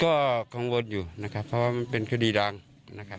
ก็กังวลอยู่นะครับเพราะว่ามันเป็นคดีดังนะครับ